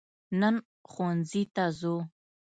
نن ښوونځي ته ځو